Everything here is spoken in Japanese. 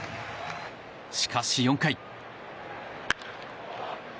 しかし、４回。